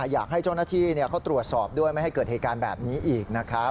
อยากให้เจ้าหน้าที่เขาตรวจสอบด้วยไม่ให้เกิดเหตุการณ์แบบนี้อีกนะครับ